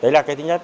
đấy là cái thứ nhất